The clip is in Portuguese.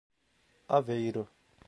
Aveiro